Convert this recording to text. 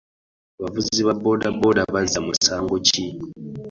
Abavuzi ba boda bazza musango ki?